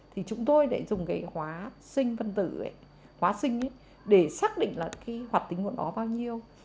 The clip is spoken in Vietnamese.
thì chúng tôi đã dùng hóa sinh phân tử để xác định hoạt tính của nó bao nhiêu